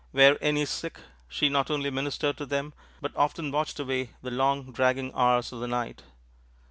Were any sick, she not only ministered to them, but often watched away the long, dragging hours of the night.